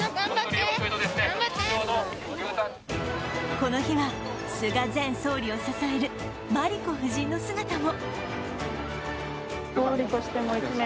この日は、菅前総理を支える真理子夫人の姿も。